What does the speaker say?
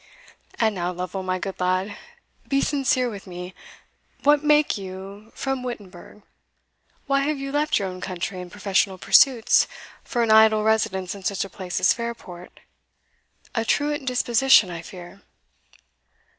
And now, Lovel, my good lad, be sincere with me What make you from Wittenberg? why have you left your own country and professional pursuits, for an idle residence in such a place as Fairport? A truant disposition, I fear."